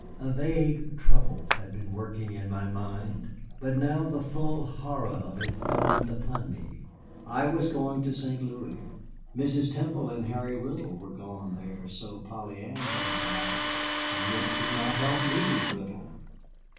A vague trouble had been working in my mind, but now the full horror of it dawned upon me. I was going to St. Louis. Mrs. Temple and Harry Riddle were gone there, so Polly Ann had avowed, and Nick could not help meeting Riddle.